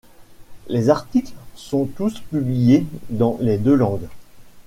Les articles sont tous publiés dans les deux langues.